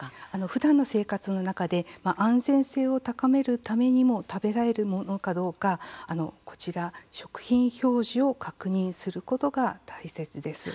ふだんの生活の中で安全性を高めるためにも食べられるものかどうかこちら、食品表示を確認することが大切です。